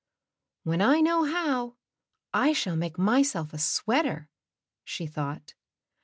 J ^ "When I know how, I shall make myself* a sweater," she thought.